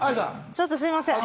ちょっと、すいません。